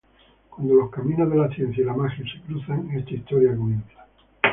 Cuando los caminos de la ciencia y la magia se cruzan, esta historia comienza.